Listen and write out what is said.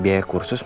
mak emang ke rumah